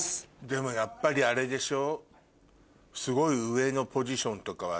でもやっぱりあれでしょ？